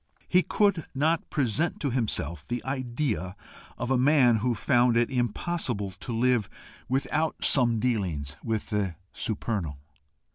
He could not present to himself the idea of a man who found it impossible to live without some dealings with the supernal.